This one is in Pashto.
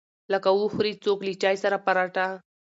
لکه وخوري څوک له چاى سره پراټه.